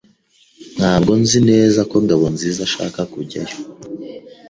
Ntabwo nzi neza ko Ngabonziza ashaka kujyayo.